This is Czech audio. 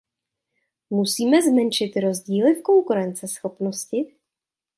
Musíme zmenšit rozdíly v konkurenceschopnosti.